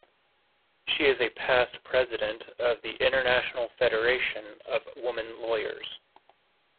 She is a past President of the International Federation of Women Lawyers.